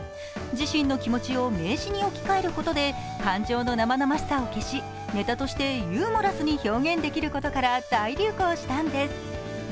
自身の気持ちを名詞に置き換えることで、感情の生々しさを消し、ネタとしてユーモラスに表現できることから大流行したんです。